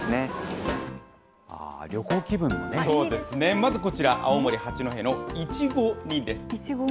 まずこちら、青森・八戸のいちご煮です。